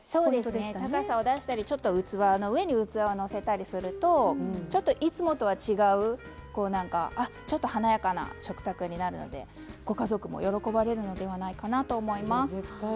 高さを出したりちょっと器の上に器をのせたりするとちょっといつもとは違うちょっと華やかな食卓になるのでご家族も喜ばれるのではないかなと思います。